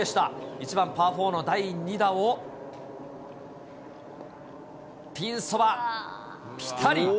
１番パー４の第２打をピンそばぴたり。